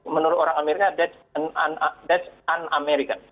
menurut orang amerika itu tidak amerika